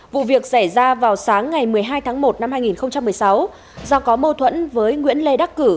vụ việc xảy ra vào sáng ngày một mươi hai tháng một năm hai nghìn một mươi sáu do có mâu thuẫn với nguyễn lê đắc cử